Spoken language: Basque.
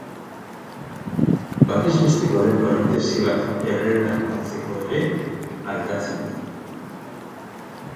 Batez besteko denbora tesi bat erredaktatzeko ere aldatzen da.